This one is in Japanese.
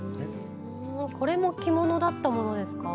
これも着物だったものですか？